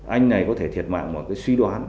anh này có thể thiệt mạng một cái suy đoán